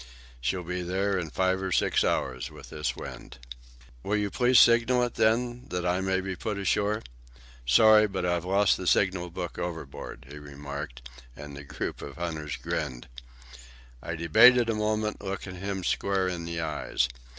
She'll be there in five or six hours with this wind." "Will you please signal it, then, so that I may be put ashore." "Sorry, but I've lost the signal book overboard," he remarked, and the group of hunters grinned. I debated a moment, looking him squarely in the eyes.